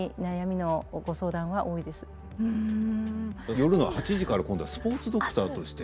夜の８時から今度はスポーツドクターとして。